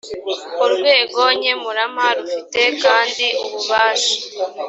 urwego nkemurampa rufite kandi ububasha